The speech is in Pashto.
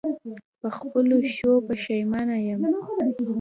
په خپلو ښو پښېمانه یم.